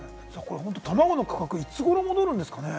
たまごの価格、いつ頃、戻るんですかね？